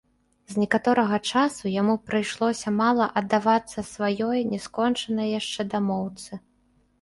З некаторага часу яму прыйшлося мала аддавацца сваёй не скончанай яшчэ дамоўцы.